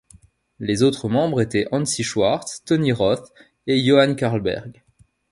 Les autres membres étaient Hansi Schwartz, Tonny Roth et Johan Karlberg.